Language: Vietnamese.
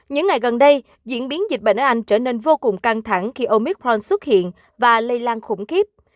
những ngày gần đây diễn biến dịch bệnh anh trở nên vô cùng căng thẳng khi omicron xuất hiện và lây lan khủng khiếp